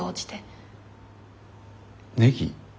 ネギ？